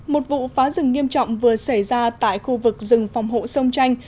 một vụ phá rừng nghiêm trọng vừa xảy ra tại khu vực rừng phòng hộ sông tranh